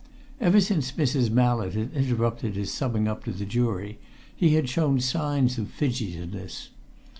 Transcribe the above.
Ever since Mrs. Mallett had interrupted his summing up to the jury, he had shown signs of fidgetiness.